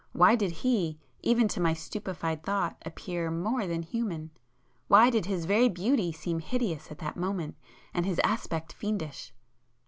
—why did he, even to my stupefied thought appear more than human?—why did his very beauty seem hideous at that moment, and his aspect fiendish?